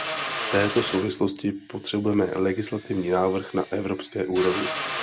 V této souvislosti potřebujeme legislativní návrh na evropské úrovni.